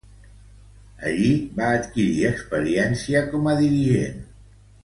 Allí va adquirir experiència com a dirigent.